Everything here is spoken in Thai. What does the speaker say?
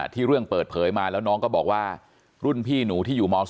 เรื่องเปิดเผยมาแล้วน้องก็บอกว่ารุ่นพี่หนูที่อยู่ม๒